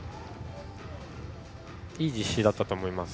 いい実施だったと思います。